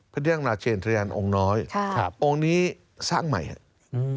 พระนางราชเชนตรียานองค์น้อยครับองค์นี้สร้างใหม่อืม